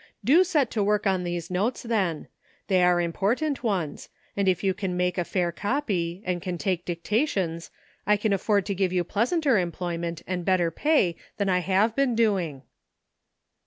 Do set to work on these notes, then. They are impor tant ones, and if you can make a fair copy, and can take dictations, I can afford to give you pleasanter employment and better pay than I have been doing."